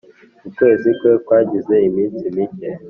ukwezi kwe kwagize iminsi mike